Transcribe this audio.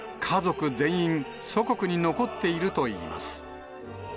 家族全員、祖国に残っているといいます。